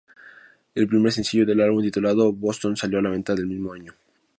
El primer sencillo del álbum, titulado Boston, salió a la venta el mismo año.